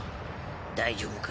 大丈夫か？